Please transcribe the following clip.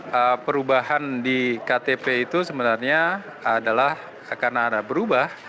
nah perubahan di ktp itu sebenarnya adalah akan ada berubah